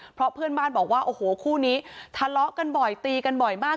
เพราะเพื่อนบ้านบอกว่าโอ้โหคู่นี้ทะเลาะกันบ่อยตีกันบ่อยมาก